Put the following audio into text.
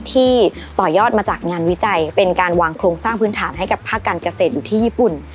ที่ต่อยอดมาจากงานวิจัยเป็นการวางโครงสร้างพื้นฐานให้กับภาคการเกษตรอยู่ที่ญี่ปุ่น